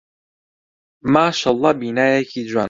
ماشەڵڵا بینایەکی جوانە.